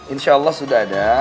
insyaallah sudah ada